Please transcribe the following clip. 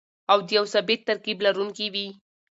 او د يو ثابت ترکيب لرونکي وي.